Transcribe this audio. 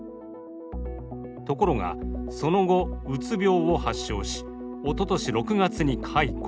ところが、その後うつ病を発症し、おととし６月に解雇。